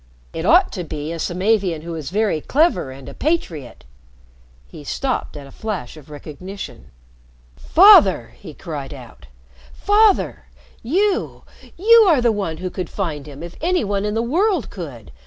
It ought to be a Samavian who is very clever and a patriot " He stopped at a flash of recognition. "Father!" he cried out. "Father! You you are the one who could find him if any one in the world could.